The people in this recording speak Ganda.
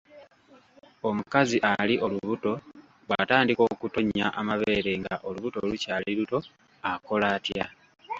Omukazi ali olubuto bw’atandika okutonnya amabeere nga olubuto lukyali luto akola atya?